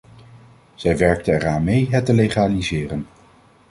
Zij werkte eraan mee het te legaliseren.